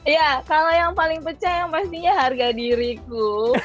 ya kalau yang paling pecah yang pastinya harga diriku